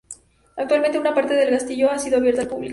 Actualmente una parte del castillo ha sido abierta al público.